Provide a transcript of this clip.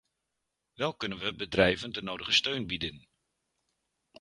Wel kunnen we bedrijven de nodige steun bieden.